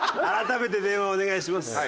改めて電話をお願いします。